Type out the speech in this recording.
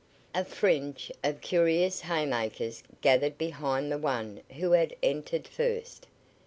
A fringe of curious haymakers gathered behind the one who had entered first.